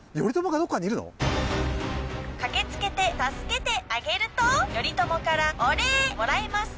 駆け付けて助けてあげると頼朝からお礼もらえます。